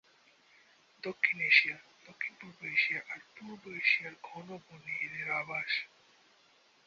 দক্ষিণ এশিয়া, দক্ষিণ-পূর্ব এশিয়া আর পূর্ব এশিয়ার ঘন বনে এদের আবাস।